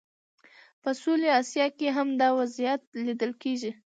په سویلي اسیا کې هم دا وضعیت لیدل کېږي.